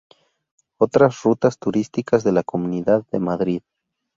Otras rutas turísticas de la Comunidad de Madrid